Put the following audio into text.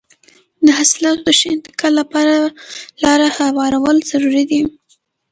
د حاصلاتو د ښه انتقال لپاره لاره هوارول ضروري دي.